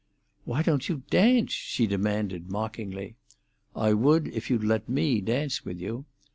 "Why don't you dance?" she demanded mockingly. "I would if you'd let me dance with you."